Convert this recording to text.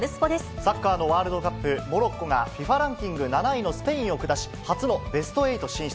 サッカーのワールドカップ、モロッコがＦＩＦＡランキング７位のスペインを下し、初のベスト８進出。